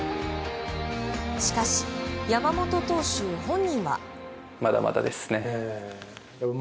しかし、山本投手本人は。